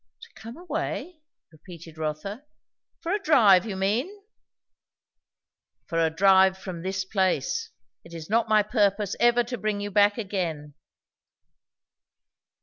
"To come away?" repeated Rotha. "For a drive, you mean?" "For a drive from this place. It is not my purpose ever to bring you back again."